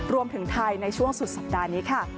รวมถึงไทยในช่วงสุดสัปดาห์นี้ค่ะ